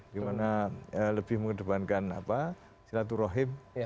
dimana lebih mengedepankan silaturahim